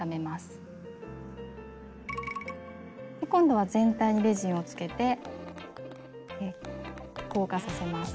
今度は全体にレジンをつけて硬化させます。